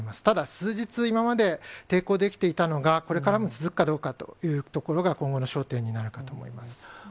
ただ数日、今まで抵抗できていたのが、これからも続くかどうかというところが、今後の焦点になるかと思います。